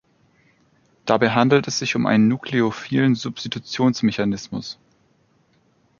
Dabei handelt es sich um einen nucleophilen Substitutions-Mechanismus.